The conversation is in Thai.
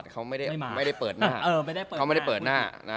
เค้าไม่ได้เปิดหน้า